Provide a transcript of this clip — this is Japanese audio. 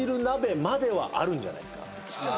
鍋まではあるんじゃないすか？